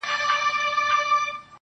o هغه به چيري وي.